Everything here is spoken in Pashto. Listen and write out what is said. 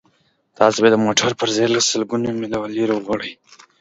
تاسو باید د موټر پرزې له سلګونه میله لرې وغواړئ